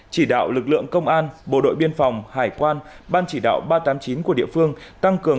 chỉ đạo lực lượng công an bộ đội biên phòng hải quan ban chỉ đạo ba trăm tám mươi chín của địa phương tăng cường